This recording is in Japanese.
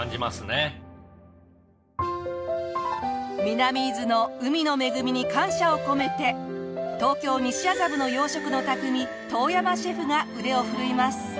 南伊豆の海の恵みに感謝を込めて東京西麻布の洋食の匠遠山シェフが腕を振るいます。